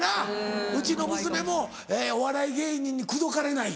うちの娘もお笑い芸人に口説かれない。